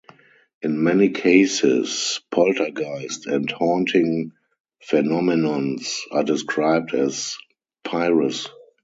In many cases, poltergeist and haunting phenomenons are described as "pirus".